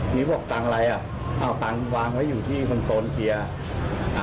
พี่บอกเงินอะไรเอาเงินวางไว้อยู่ที่คอนโซลเกียร์